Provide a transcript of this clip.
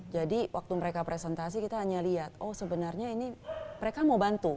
jadi waktu mereka presentasi kita hanya lihat oh sebenarnya ini mereka mau bantu